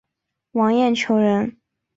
王晏球人。